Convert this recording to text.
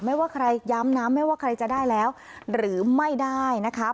ไม่ว่าใครย้ำนะไม่ว่าใครจะได้แล้วหรือไม่ได้นะคะ